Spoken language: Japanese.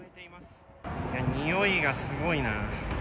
においがすごいな。